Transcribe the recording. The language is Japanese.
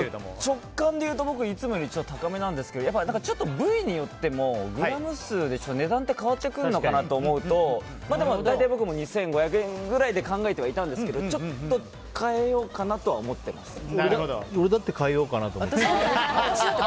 直感でいうと僕いつもより高めなんですけどちょっと部位によってもグラム数で値段って変わってくるのかなと思うと大体、僕も２５００円ぐらいで考えてはいたんですけどちょっと変えようかなとは俺だって変えようかなと。